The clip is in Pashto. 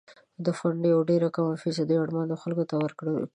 د فنډ یوه ډیره کمه فیصدي اړمنو خلکو ته ورکول کیږي.